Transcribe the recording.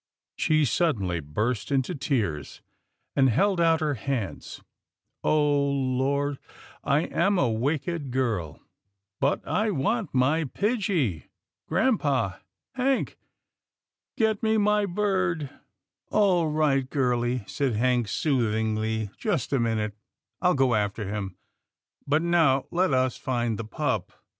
She suddenly burst into tears, and held out her hands, " Oh Lord ! I am a wicked girl, but FLIGHT OF A WILD GOOSE 169 I want my pidgie — Grampa, Hank, get me my bird." " All right, girlie," said Hank soothingly, " just wait a minute, I'll go after him, but now let us find the pup."